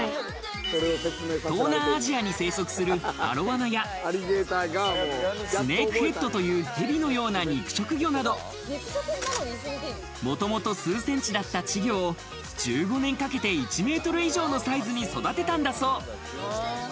東南アジアに生息するアロワナや、スネークヘッドという蛇のような肉食魚など、もともと数センチだった稚魚を、１５年かけて１メートル以上のサイズに育てたんだそう。